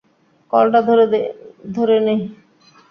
কলটা ধরে নেই।